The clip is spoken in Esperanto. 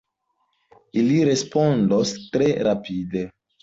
Ili respondos tre rapide!